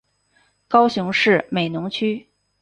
高雄市美浓区